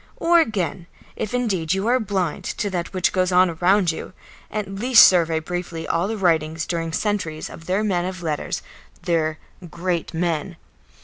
Or again, if indeed you are blind to that which goes on around you, at least survey briefly all the writings, during centuries, of their men of letters, their "great men."